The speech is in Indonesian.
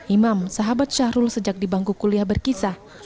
imam sahabat syahrul sejak di bangku kuliah berkisah